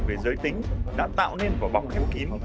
về giới tính đã tạo nên vào bóng hiếp kím